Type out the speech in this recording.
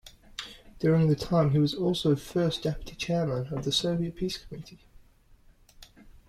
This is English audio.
During this time he was also First Deputy Chairman of the Soviet Peace Committee.